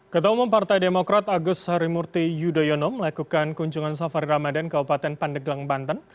ketua umum partai demokrat agus harimurti yudhoyono melakukan kunjungan safari ramadan keupatan pandeglang banten